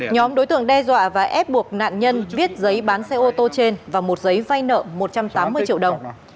nhóm đối tượng đe dọa và ép buộc nạn nhân viết giấy bán xe ô tô trên và một giấy vay nợ một trăm tám mươi triệu đồng